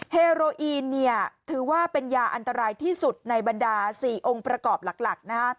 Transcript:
เฮโรอีนถือว่าเป็นยาอันตรายที่สุดในบรรดา๔องค์ประกอบหลัก